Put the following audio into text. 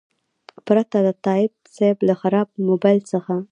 پرته د تایب صیب له خراب موبایل څخه.